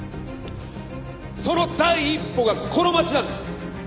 「その第一歩がこの街なんです」